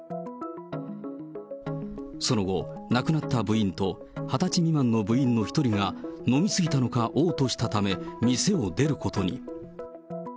その後、亡くなった部員と２０歳未満の部員の１人が、飲み過ぎたのか、おう吐したため、店を出ることに。